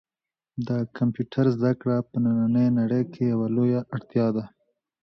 د کمپیوټر زده کړه په نننۍ نړۍ کې یوه لویه اړتیا ده.